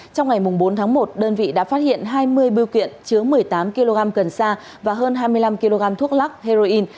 trong ngày bốn tháng một đơn vị đã phát hiện hai mươi biêu kiện chứa một mươi tám kg cần sa và hơn hai mươi năm kg thuốc lắc heroin